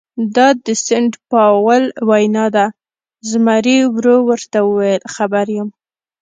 دا د سینټ پاول وینا ده، زمري ورو ورته وویل: خبر یم.